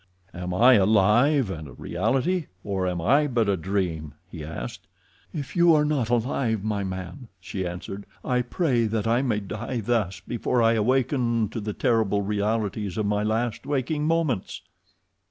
"Am I alive and a reality, or am I but a dream?" he asked. "If you are not alive, my man," she answered, "I pray that I may die thus before I awaken to the terrible realities of my last waking moments."